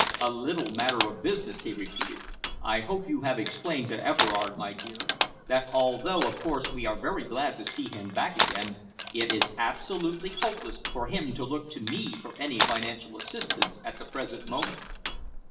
"A little matter of business," he repeated. "I hope you have explained to Everard, my dear, that although, of course, we are very glad to see him back again, it is absolutely hopeless for him to look to me for any financial assistance at the present moment."